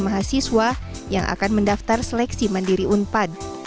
mahasiswa yang akan mendaftar seleksi mandiri unpan